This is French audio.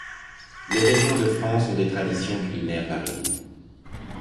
Les régions de France ont des traditions culinaires variées.